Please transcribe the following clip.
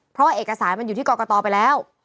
เพราะว่าเอกสารมันอยู่ที่กรกตไปแล้ว